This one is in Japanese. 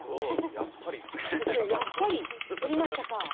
「やっぱり減りましたか」。